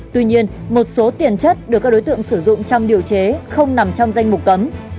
tuy nhiên một số tiền chất được các đối tượng sử dụng trong điều chế không nằm trong danh mục cấm